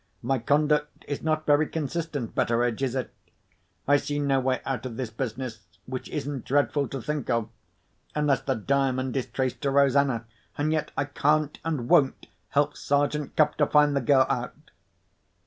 My conduct is not very consistent, Betteredge—is it? I see no way out of this business, which isn't dreadful to think of, unless the Diamond is traced to Rosanna. And yet I can't, and won't, help Sergeant Cuff to find the girl out."